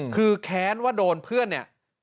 คือแค้นว่าโดนเพื่อนเนี่ย